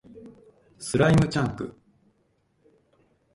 スライムチャンク